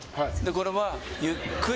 これは、ゆっくり。